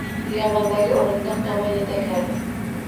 Xiyobondagi o‘rindiq tomon yetakladi.